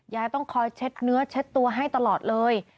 ยายต้องคอยเช็ดเนื้อเช็ดตัวให้ตลอดเลย